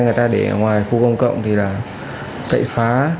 xe người ta để ngoài khu công cộng thì là cậy phá